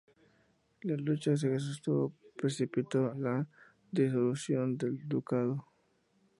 La lucha que sostuvo precipitó la disolución del ducado.